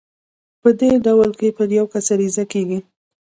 په دې ډول کې پر يو کس عريضه کېږي.